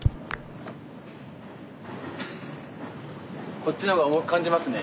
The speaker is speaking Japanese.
こっちの方が重く感じますね。